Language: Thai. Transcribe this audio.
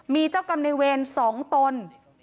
มีเจ้ากรรมในเวร๒ตน